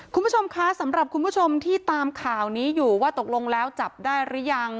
คุณผู้ชมคะสำหรับคุณผู้ชมที่ตามข่าวนี้อยู่ว่าตกลงแล้วจับได้หรือยัง